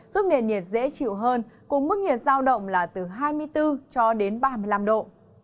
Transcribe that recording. giúp nền nhiệt dễ chịu hơn cùng mức nhiệt giao động là từ hai mươi bốn cho đến ba mươi năm độ